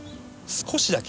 少しだけ。